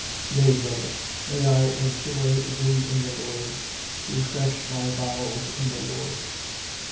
1:20. Yea, brother. May I enjoy thee in the Lord! Refresh my bowels in the Lord.